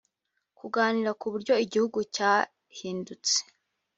kuganira ku buryo igihugu cyahindutse